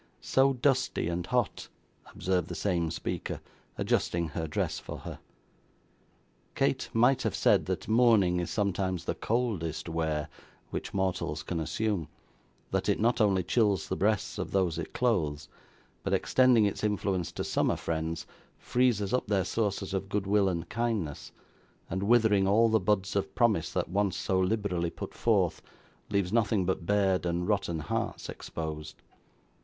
'So dusty and hot,' observed the same speaker, adjusting her dress for her. Kate might have said, that mourning is sometimes the coldest wear which mortals can assume; that it not only chills the breasts of those it clothes, but extending its influence to summer friends, freezes up their sources of good will and kindness, and withering all the buds of promise they once so liberally put forth, leaves nothing but bared and rotten hearts exposed.